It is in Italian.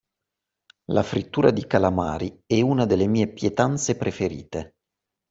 La frittura di calamari è una delle mie pietanze preferite.